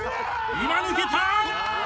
今抜けた！